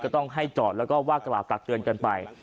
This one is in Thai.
ต้องให้จอดแล้วก็ว่ากล่าวตักเตือนกันไป